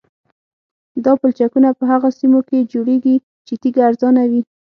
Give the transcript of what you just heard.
دا پلچکونه په هغه سیمو کې جوړیږي چې تیږه ارزانه وي